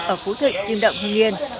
ở khu thịnh tiêm đậm hưng yên